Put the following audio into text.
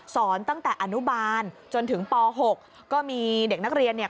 ตั้งแต่อนุบาลจนถึงป๖ก็มีเด็กนักเรียนเนี่ย